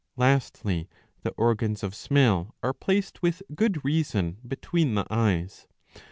Lastly, the organs of srriell are placed with good reason between the eyes.